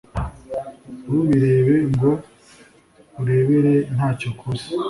ntubirebe ngo urebere ntacyo ukoze